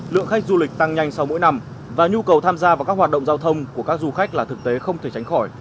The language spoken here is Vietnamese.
lượng khách du lịch tăng nhanh sau mỗi năm và nhu cầu tham gia vào các hoạt động giao thông của các du khách là thực tế không thể tránh khỏi